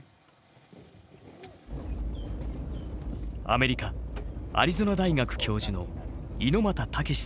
アメリカアリゾナ大学教授の猪俣健さん。